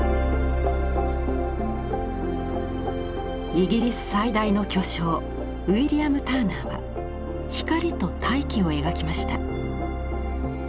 イギリス最大の巨匠ウィリアム・ターナーは光と大気を描きました。